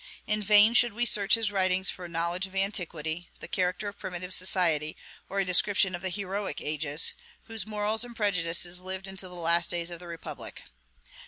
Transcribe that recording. In vain should we search his writings for knowledge of antiquity, the character of primitive society, or a description of the heroic ages, whose morals and prejudices lived until the last days of the republic.